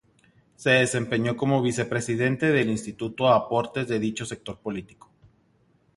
Se desempeñó como vicepresidente del Instituto Aportes de dicho sector político.